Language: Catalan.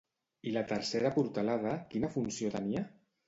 I la tercera portalada quina funció tenia?